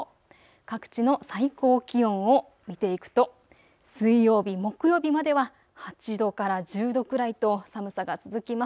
各地の最高気温を見ていくと水曜日、木曜日までは８度から１０度くらいと寒さが続きます。